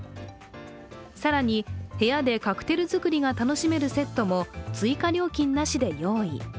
更に、部屋でカクテル作りが楽しめるセットも追加料金なしで用意。